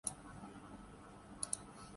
میٹھے انڈے کا ذائقہ چکھتے ہی سب اس پر ٹوٹ پڑے